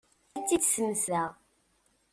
Ad tt-id-smesdeɣ.